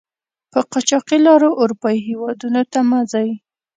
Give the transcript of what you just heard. په قاچاقي لارو آروپایي هېودونو ته مه ځئ!